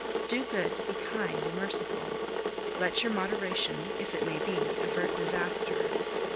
Do good, be kind and merciful; let your moderation, if it may be, avert disaster.